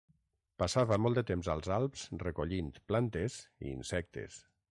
Passava molt de temps als Alps recollint plantes i insectes.